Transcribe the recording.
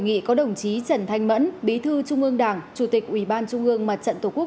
hội nghị có đồng chí trần thanh mẫn bí thư trung ương đảng chủ tịch ủy ban trung ương mặt trận tổ quốc